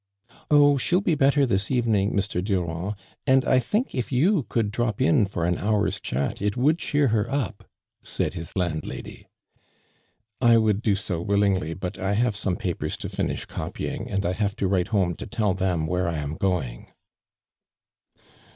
"Oh I she'll be better this evening, Mr. Durand, and I think if you could drop in for an hour's chftt, it would cheer her up," said his landlady. " I would do so willingly, but I have some papers to finish copying, and have to write home to tell them where I am going."